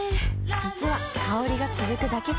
実は香りが続くだけじゃない